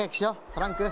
トランク。